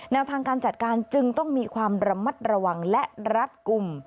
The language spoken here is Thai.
ทางการจัดการจึงต้องมีความระมัดระวังและรัดกลุ่ม